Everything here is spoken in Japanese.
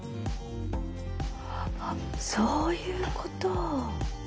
あっそういうこと。